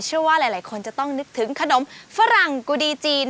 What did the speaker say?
เชื่อว่าหลายคนจะต้องนึกถึงขนมฝรั่งกุดีจีน